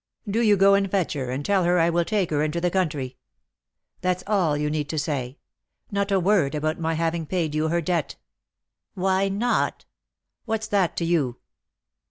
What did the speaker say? "Do you go and fetch her, and tell her I will take her into the country; that's all you need say; not a word about my having paid you her debt." "Why not?" "What's that to you?"